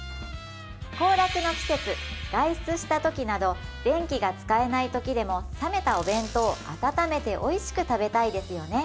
行楽の季節外出したときなど電気が使えないときでも冷めたお弁当を温めておいしく食べたいですよね